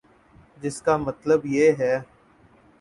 جس کا مطلب یہ ہے۔